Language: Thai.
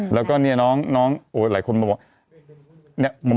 แล้วก็เนี่ยน้องหลายคนมาบอก